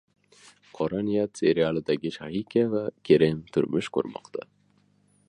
“Qora niyat” serialidagi Shahika va Kerem turmush qurmoqda